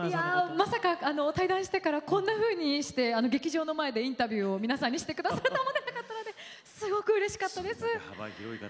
まさか退団してからこんなふうに劇場の前でインタビューを皆さんにしてくれると思わなかったのですごくうれしかったです。